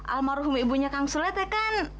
almarhum ibunya kang sule teh kan